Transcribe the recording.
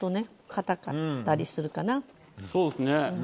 そうですね。